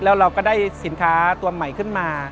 แล้วเราก็ได้สินค้าตัวใหม่ขึ้นมา